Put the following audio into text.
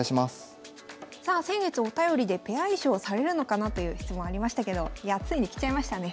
さあ先月お便りでペア衣装されるのかなという質問ありましたけどいやあついに着ちゃいましたね。